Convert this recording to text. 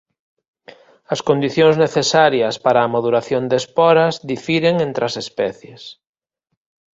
As condicións necesarias para a maduración de esporas difiren entre as especies.